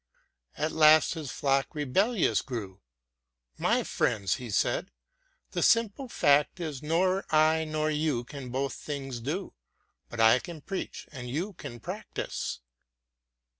At last his flock rebellious grew :" My friends," he said, " the simple fact is Nor I nor you can both things do, But I can preach and you can practise."